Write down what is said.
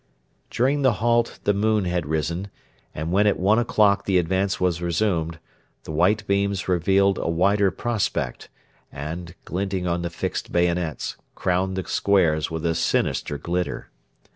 During the halt the moon had risen, and when at one o'clock the advance was resumed, the white beams revealed a wider prospect and, glinting on the fixed bayonets, crowned the squares with a sinister glitter.